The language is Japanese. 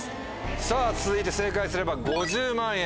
さぁ続いて正解すれば５０万円です。